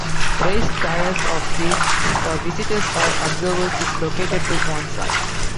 Raised tiers of seats for visitors or observers is located to one side.